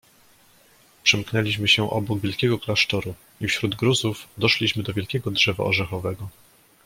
"Przemknęliśmy się obok wielkiego klasztoru i wśród gruzów doszliśmy do wielkiego drzewa orzechowego."